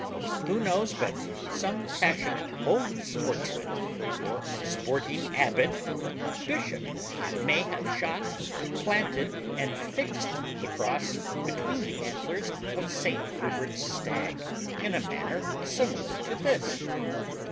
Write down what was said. Who knows but some passionate holy sportsman, or sporting abbot or bishop, may have shot, planted, and fixed the cross between the antlers of St. Hubert's stag, in a manner similar to this?